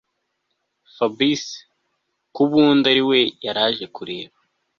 Fabric ko ubundi ariwe yaraje kureba